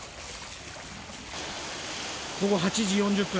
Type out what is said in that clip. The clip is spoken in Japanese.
午後８時４０分。